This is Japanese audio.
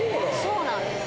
そうなんです。